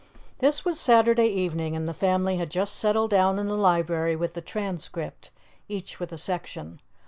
This was Saturday evening, and the family had just settled down in the library with the Transcript, each with a section.